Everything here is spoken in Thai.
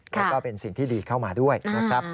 แล้วก็เป็นสิ่งที่ดีเข้ามาด้วยนะครับ